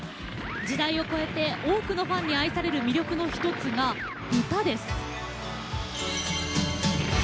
時代を超えて多くのファンに愛される魅力の１つが歌です。